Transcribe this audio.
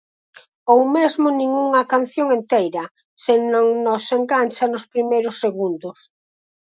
Ou mesmo nin unha canción enteira, se non nos engancha nos primeiros segundos.